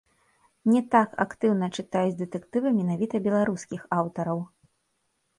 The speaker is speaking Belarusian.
Не так актыўна чытаюць дэтэктывы менавіта беларускіх аўтараў.